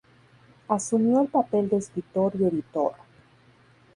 Asumió el papel de escritor y editor.